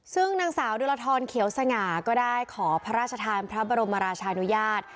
ซึ่งนางสาวดุลทรเขียวสง่าก็ได้ขอพระราชทานพระบรมราชานุญาต